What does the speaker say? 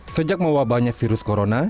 sejak mewabahnya virus corona